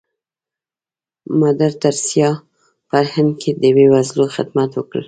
مدر ټریسا په هند کې د بې وزلو خدمت وکړ.